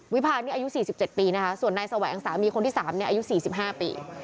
วิพานี่อายุสี่สิบเจ็ดปีนะคะส่วนนายแสวงสามีคนที่สามเนี่ยอายุสี่สิบห้าปี